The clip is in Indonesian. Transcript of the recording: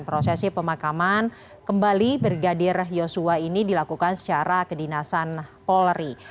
prosesi pemakaman kembali brigadir yosua ini dilakukan secara kedinasan polri